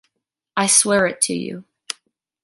I swear it to you.